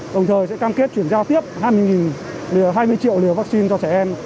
đồng thời sẽ cam kết chuyển giao tiếp hai mươi triệu liều vaccine cho trẻ em